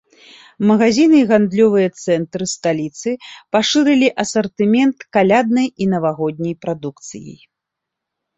Магазіны і гандлёвыя цэнтры сталіцы пашырылі асартымент каляднай і навагодняй прадукцыяй.